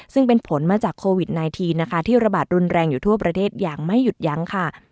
ซึ่งเป็นผลมาจากโควิด๑๙นะคะที่ระบาดรุนแรงอยู่ทั่วประเทศอย่างไม่หยุดยั้งค่ะ